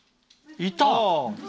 いた！